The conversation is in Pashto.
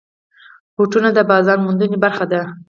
بوټونه د بازار موندنې برخه ده.